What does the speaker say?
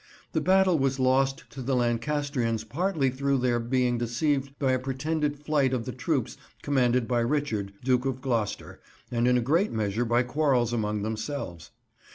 The battle was lost to the Lancastrians partly through their being deceived by a pretended flight of the troops commanded by Richard, Duke of Gloucester, and in a great measure by quarrels among themselves.